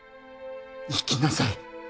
生きなさい。